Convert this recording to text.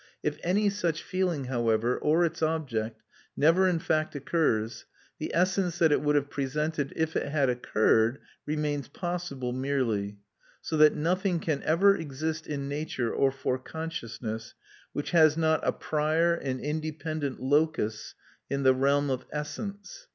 If any such feeling, however, or its object, never in fact occurs, the essence that it would have presented if it had occurred remains possible merely; so that nothing can ever exist in nature or for consciousness which has not a prior and independent locus in the realm of essence.